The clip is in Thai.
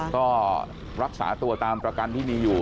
ก็รักษาตัวตามประกันที่มีอยู่